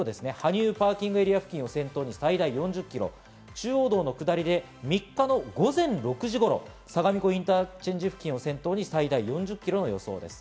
羽生パーキングエリア付近を先頭に最大４０キロ、中央道の下りで３日の午前６時頃、相模湖インターチェンジ付近を先頭に最大４０キロの予想です。